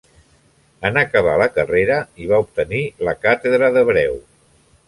En acabar la carrera, hi va obtenir la càtedra d'Hebreu.